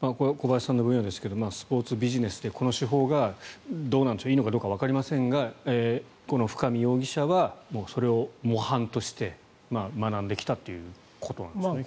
これは小林さんの分野ですがスポーツ分野でこの手法がどうなんでしょういいのかどうかわかりませんがこの深見容疑者はそれを模範として学んできたということなんですかね。